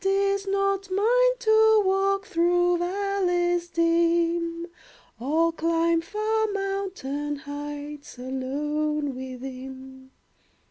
It is not mine to walk Through valleys dim, Or climb far mountain heights Alone with him.